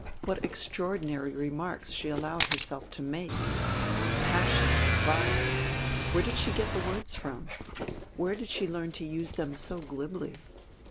What extraordinary remarks she allowed herself to make! "Passion," "vice," where did she get the words from? where did she learn to use them so glibly?